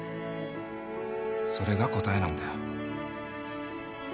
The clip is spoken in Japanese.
それが答えなんだよ。